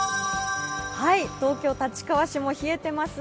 東京・立川市も冷えてます。